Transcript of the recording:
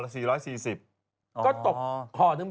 แล้วมีลูกสาวเลยเป็นตุ๊ดขึ้นทุกวัน